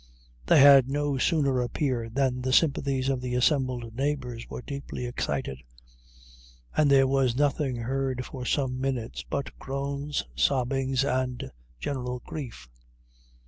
They had no sooner appeared, than the sympathies of the assembled neighbors were deeply excited, and there was nothing heard for some minutes, but groans, sobbings, and general grief.